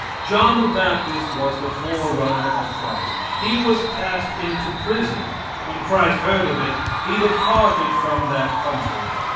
John the Baptist was the forerunner of Christ. He was cast into prison. When Christ heard of it He "departed from that country."